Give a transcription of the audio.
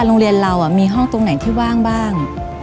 โรงเรียนเรามีห้องตรงไหนที่ว่างบ้าง